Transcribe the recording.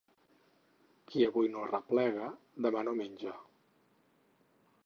Qui avui no arreplega, demà no menja.